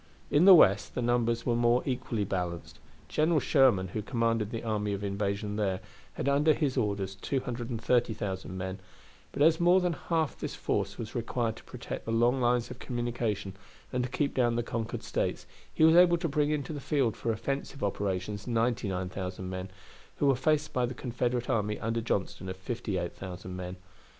In the West the numbers were more equally balanced. General Sherman, who commanded the army of invasion there, had under his orders 230,000 men, but as more than half this force was required to protect the long lines of communication and to keep down the conquered States, he was able to bring into the field for offensive operations 99,000 men, who were faced by the Confederate army under Johnston of 58,000 men.